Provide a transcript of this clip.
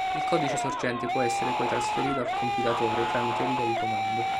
Il codice sorgente può essere poi trasferito al compilatore tramite riga di comando.